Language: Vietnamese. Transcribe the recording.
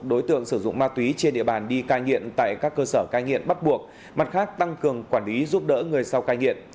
đối tượng sử dụng ma túy trên địa bàn đi cai nghiện tại các cơ sở cai nghiện bắt buộc mặt khác tăng cường quản lý giúp đỡ người sau cai nghiện